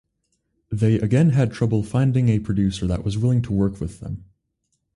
They again had trouble finding a producer that was willing to work with them.